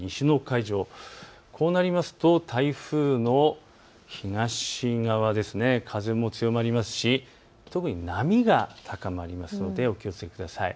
こうなりますと台風の東側ですね、風も強まりますし特に波が高まりますのでお気をつけください。